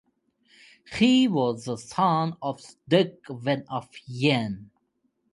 He was the son of Duke Wen of Yan.